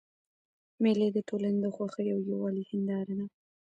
مېلې د ټولني د خوښۍ او یووالي هنداره ده.